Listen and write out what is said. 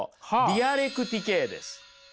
「ディアレクティケー」です。